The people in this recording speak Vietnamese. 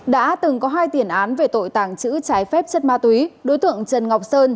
đã từng có hai tiền án về tội tàng trữ trái phép chất ma túy đối tượng trần ngọc sơn